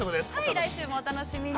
◆来週もお楽しみに。